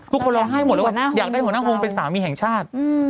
คนร้องไห้หมดเลยว่าอยากได้หัวหน้าวงเป็นสามีแห่งชาติ